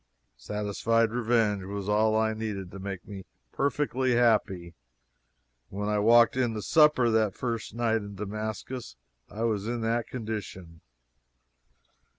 Satisfied revenge was all I needed to make me perfectly happy, and when I walked in to supper that first night in Damascus I was in that condition.